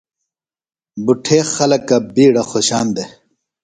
بُٹھے خلکہ بِیڈہ خوۡشان دےۡ ۔